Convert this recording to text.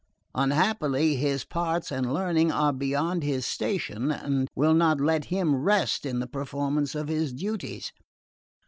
Unhappily, his parts and learning are beyond his station, and will not let him rest in the performance of his duties.